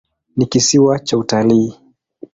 Ni kisiwa cha utalii.